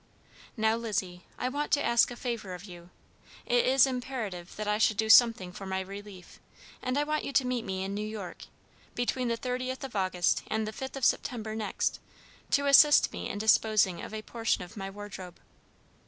Now, Lizzie, I want to ask a favor of you. It is imperative that I should do something for my relief, and I want you to meet me in New York, between the 30th of August and the 5th of September next, to assist me in disposing of a portion of my wardrobe."